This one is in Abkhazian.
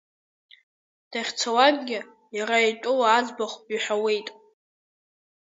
Дахьцалакгьы, иара итәыла аӡбахә иҳәауеит.